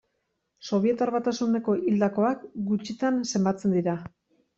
Sobietar Batasuneko hildakoak gutxitan zenbatzen dira.